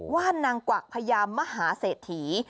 ว่านนางกวักพญามหาเศรษฐี